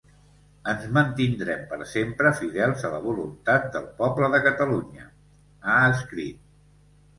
Ens mantindrem per sempre fidels a la voluntat del poble de Catalunya, ha escrit.